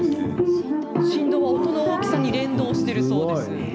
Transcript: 振動は音の大きさに比例しているそうです。